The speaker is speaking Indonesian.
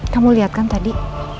kamu liat kan tadi